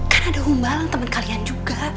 kan ada humbal temen kalian juga